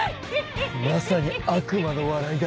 まさに悪魔の笑いだ。